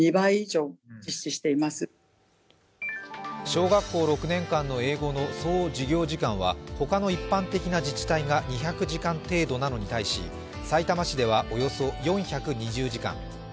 小学校６年間の英語の総授業時間は他の一般的な自治体が２００時間程度なのに対しさいたま市では、およそ４２０時間。